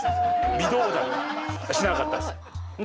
微動だにしなかったです。